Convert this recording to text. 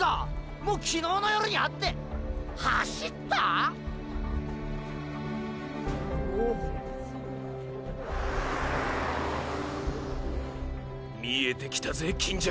もう昨日の夜に会って走ったぁ⁉見えてきたぜ金城！